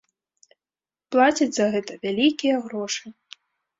Плацяць за гэта вялікія грошы.